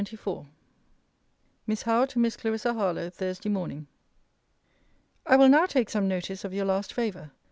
LETTER XXIV MISS HOWE, TO MISS CLARISSA HARLOWE THURSDAY MORNING. I will now take some notice of your last favour.